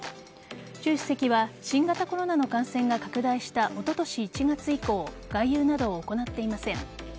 習主席は新型コロナの感染が拡大したおととし１月以降外遊などを行っていません。